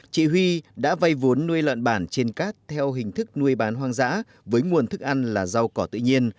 chị huy đã vay vốn nuôi lợn bản trên cát theo hình thức nuôi bán hoang dã với nguồn thức ăn là rau cỏ tự nhiên